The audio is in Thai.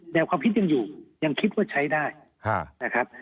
ความคิดยังอยู่ยังคิดว่าใช้ได้นะครับ